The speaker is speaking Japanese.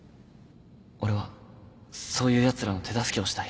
俺はそういうやつらの手助けをしたい